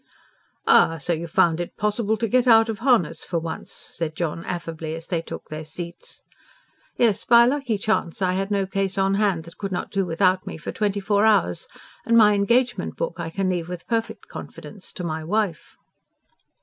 "Ah, so you found it possible to get out of harness for once?" said John affably, as they took their seats. "Yes, by a lucky chance I had no case on hand that could not do without me for twenty four hours. And my engagement book I can leave with perfect confidence to my wife."